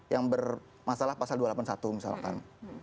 yang bermasalah pasal dua ratus delapan puluh satu misalkan